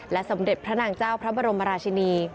สมเด็จพระนางเจ้าพระบรมราชินี